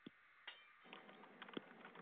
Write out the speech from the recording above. لعل د افغانستان د چاپیریال د مدیریت لپاره مهم دي.